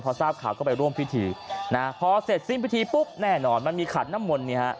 พอทราบข่าวก็ไปร่วมพิธีนะฮะพอเสร็จสิ้นพิธีปุ๊บแน่นอนมันมีขันน้ำมนต์เนี่ยฮะ